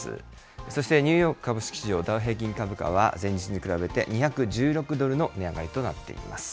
そしてニューヨーク株式市場、ダウ平均株価は、前日に比べて２１６ドルの値上がりとなっています。